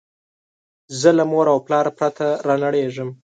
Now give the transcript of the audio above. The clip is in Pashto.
زه له موره او پلاره پرته رانړېږم